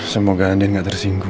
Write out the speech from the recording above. semoga andin gak tersinggung